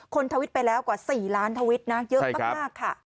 ทวิตไปแล้วกว่า๔ล้านทวิตนะเยอะมากค่ะ